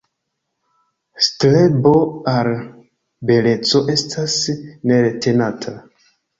Strebo al beleco estas neretenata.